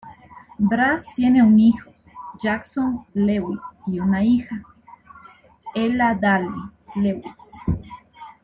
Brad tiene un hijo, Jackson Lewis, y una hija, Ella Dale Lewis.